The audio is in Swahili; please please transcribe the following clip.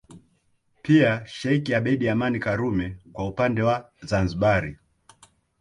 Pia Sheikh Abeid Amani Karume kwa upande wa Zanzibari